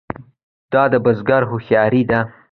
دا د بزګر هوښیاري ده.